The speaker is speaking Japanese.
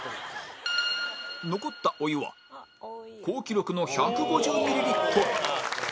残ったお湯は好記録の１５０ミリリットル